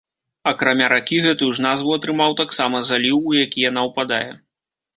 Акрамя ракі, гэтую ж назву атрымаў таксама заліў, у які яна ўпадае.